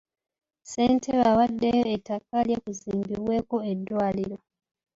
Ssentebe awaddeyo ettaka lye kuzimbibweko eddwaliro.